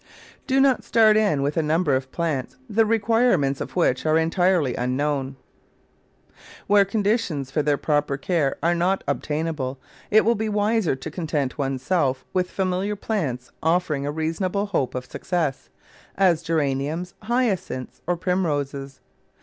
Do not start in with a number of plants the require ments of which are entirely unknown. Where con ditions for their proper care are not obtainable it will be wiser to content one's self with familiar plants of fering a reasonable hope of success, as Geraniums, Hyacinths, or Primroses.